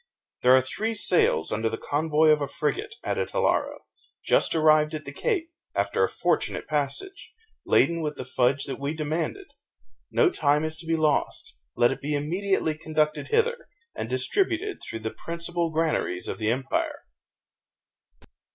"There are three sails, under the convoy of a frigate," added Hilaro, "just arrived at the Cape, after a fortunate passage, laden with the fudge that we demanded. No time is to be lost; let it be immediately conducted hither, and distributed through the principal granaries of the empire."